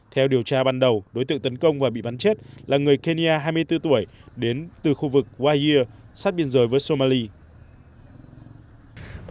theo điều tra ban đầu đối tượng tấn công và bị bắn chết là người kenya hai mươi bốn tuổi đến từ khu vực waya sát biên giới với somali